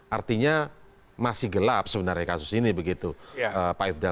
artinya masih gelap sebenarnya kasus ini begitu pak ifdal